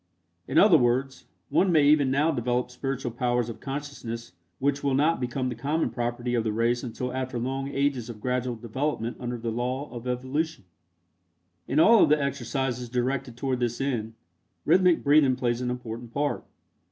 In other words, one may even now develop spiritual powers of consciousness which will not become the common property of the race until after long ages of gradual development under the law of evolution. In all of the exercises directed toward this end, rhythmic breathing plays an important part.